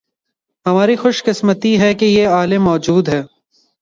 ہماری خوش قسمتی ہے کہ یہ علم موجود ہے